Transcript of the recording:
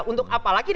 untuk apa lagi